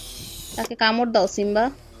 তাকে কামড় দাও, সিম্বা!